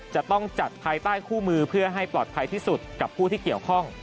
จะต้องจัดภายใต้คู่มือเพื่อให้ปลอดภัยที่สุดกับผู้ที่เกี่ยวข้อง